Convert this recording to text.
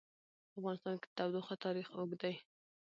په افغانستان کې د تودوخه تاریخ اوږد دی.